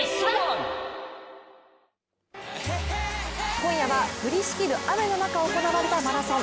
今夜は降りしきる雨の中行われたマラソン。